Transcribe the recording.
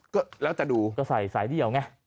ก็แล้วจะดูก็ใส่สายเดี่ยวไง